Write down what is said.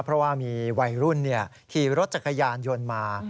เพราะว่ามีวัยรุ่นขี่รถจักรยานยนต์มา